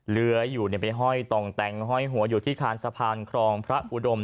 เหลืออยู่ไปห้อยต่องแต่งห้อยหัวอยู่ที่คานสะพานครองพระอุดม